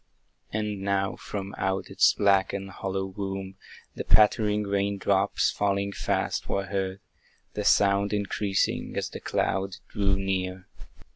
And now from out its black and hollow womb, The pattering rain drops, falling fast, were heard, The sound increasing as the cloud drew near.